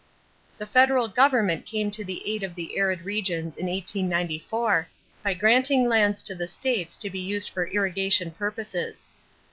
The federal government came to the aid of the arid regions in 1894 by granting lands to the states to be used for irrigation purposes.